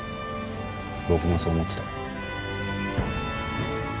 僕もそう思ってたよ。